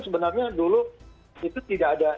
sebenarnya dulu itu tidak ada